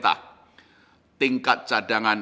dan masuk ke dalam dengan